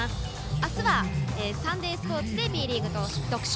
あすは「サンデースポーツ」でＢリーグ特集。